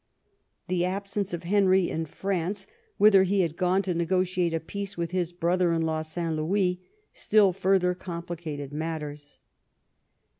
The absence of Henry in France, whither he had gone to negotiate a peace with his brother in law St. Louis, still further complicated matters.